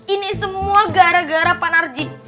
ini semua gara gara pak narjik